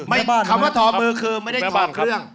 คำว่าทอมือคือไม่ได้ถอดเครื่อง